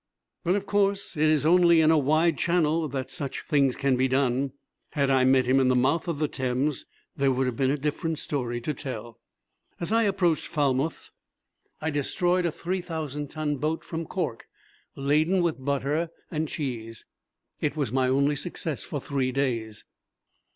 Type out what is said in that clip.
But, of course, it is only in a wide Channel that such things can be done. Had I met him in the mouth of the Thames there would have been a different story to tell. As I approached Falmouth I destroyed a three thousand ton boat from Cork, laden with butter and cheese. It was my only success for three days.